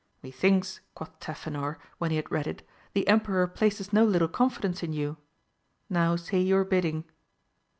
Methinks, quoth Tafinor, when he had read it, the emperor places no little confidence in you ! now say your bidding.